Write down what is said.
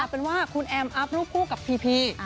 เป็นว่าคุณแอมอัพรูปคู่กับพีพี